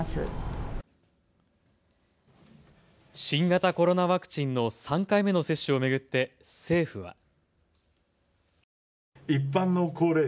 新型コロナワクチンの３回目の接種を巡って政府は。